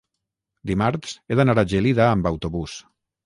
dimarts he d'anar a Gelida amb autobús.